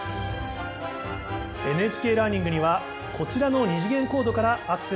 ＮＨＫラーニングにはこちらの二次元コードからアクセスできます。